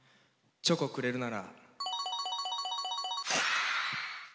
チョコくれるなら。